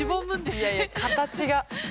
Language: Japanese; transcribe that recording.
いやいや形が。